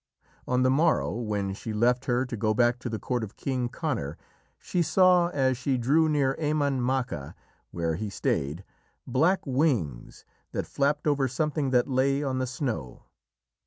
On the morrow, when she left her to go back to the court of King Conor, she saw, as she drew near Emain Macha, where he stayed, black wings that flapped over something that lay on the snow.